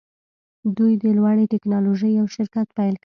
دوی د لوړې ټیکنالوژۍ یو شرکت پیل کړ